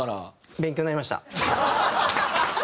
勉強になりました。